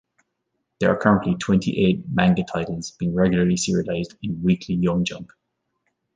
There are currently twenty-eight manga titles being regularly serialized in "Weekly Young Jump".